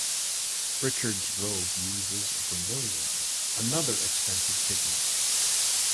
Richard's robe uses vermilion, another expensive pigment.